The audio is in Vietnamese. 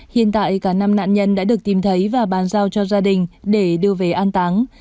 hiện tại cả năm nạn nhân đã được tìm thấy và bàn giao cho gia đình để đưa về an táng